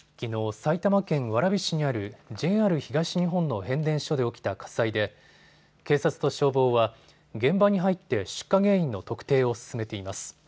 埼玉県蕨市にあるＪＲ東日本の変電所で起きた火災で警察と消防は現場に入って出火原因の特定を進めています。